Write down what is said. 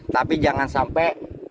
tapi jangan sampai